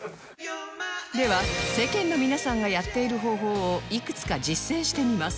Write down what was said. では世間の皆さんがやっている方法をいくつか実践してみます